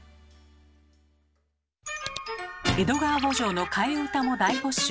「江戸川慕情」の替え歌も大募集。